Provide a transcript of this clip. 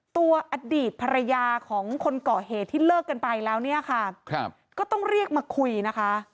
อดีตภรรยาของคนเกาะเหตุที่เลิกกันไปแล้วเนี่ยค่ะก็ต้องเรียกมาคุยนะคะ